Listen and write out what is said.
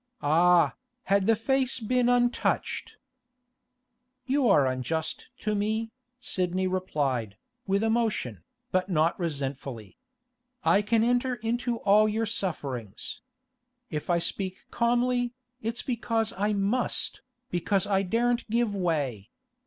Ah, had the face been untouched! 'You are unjust to me,' Sidney replied, with emotion, but not resentfully. 'I can enter into all your sufferings. If I speak calmly, it's because I must, because I daren't give way.